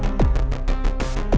jangan jauh beloved